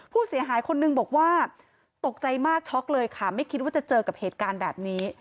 ผู้เสียหายคนนึงบอกว่าตกใจมากช็อกเลยค่ะไม่คิดว่าจะเจอกับเหตุการณ์แบบนี้